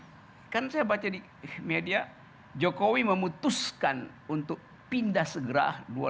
karena kan saya baca di media jokowi memutuskan untuk pindah segera dua ribu dua puluh